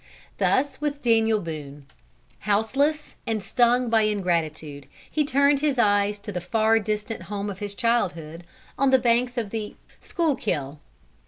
Thus with Daniel Boone; houseless and stung by ingratitude, he turned his eyes to the far distant home of his childhood, on the banks of the Schuykill.